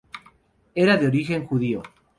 Era de origen judío.